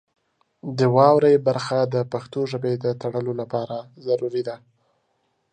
د واورئ برخه د پښتو ژبې د تړلو لپاره ضروري ده.